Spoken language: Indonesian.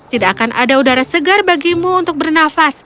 tidak akan ada udara segar bagimu untuk bernafas